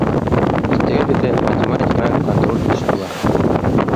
Иртәгә беҙҙә математиканан контроль эш була